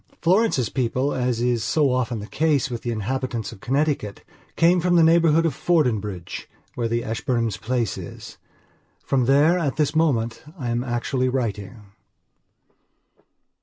Florence's people, as is so often the case with the inhabitants of Connecticut, came from the neighbourhood of Fordingbridge, where the Ashburnhams' place is. From there, at this moment, I am actually writing.